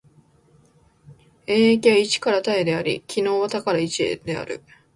演繹は一から多へであり、帰納は多から一へである。